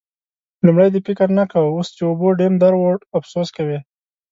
لومړی دې فکر نه کاوو؛ اوس چې اوبو ډم در وړ، افسوس کوې.